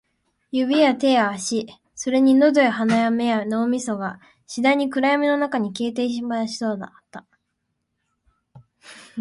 指や手や足、それに喉や鼻や目や脳みそが、次第に暗闇の中に消えてしまいそうだった